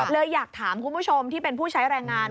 เลยอยากถามคุณผู้ชมที่เป็นผู้ใช้แรงงาน